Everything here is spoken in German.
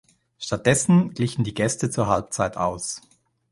Stattdessen glichen die Gäste zur Halbzeit aus.